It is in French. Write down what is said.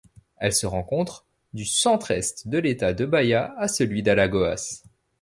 Elle se rencontre du centre-Est de l'État de Bahia à celui d'Alagoas.